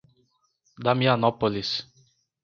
Damianópolis